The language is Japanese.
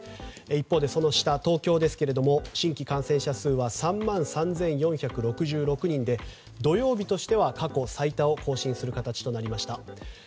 一方で東京の新規感染者数は３万３４６６人で土曜日としては過去最多を更新する形となりました。